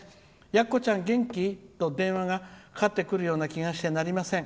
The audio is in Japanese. やっこちゃん、元気？と電話がかかってくるような気がしてなりません。